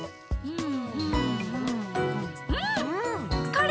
うん。